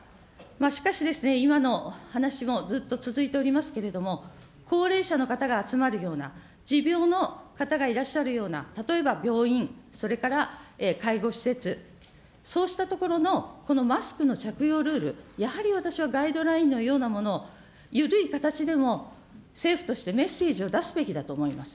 しかしですね、今の話もずっと続いておりますけれども、高齢者の方が集まるような、持病の方がいらっしゃるような、例えば病院、それから介護施設、そうした所のマスクの着用ルール、やはり私はガイドラインのようなもの、緩い形でも政府としてメッセージを出すべきだと思います。